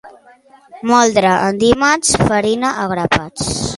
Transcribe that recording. Moldre en dimarts, farina a grapats.